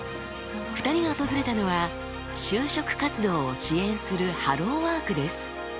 ２人が訪れたのは就職活動を支援するハローワークです。